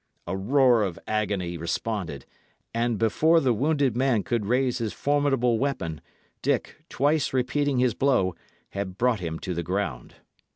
A roar of agony responded, and, before the wounded man could raise his formidable weapon, Dick, twice repeating his blow, had brought him to the ground.